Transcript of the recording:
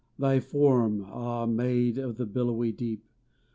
Thy form, ah, maid, of the billowy deep